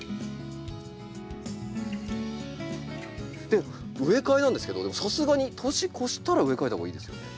で植え替えなんですけどさすがに年越したら植え替えた方がいいですよね？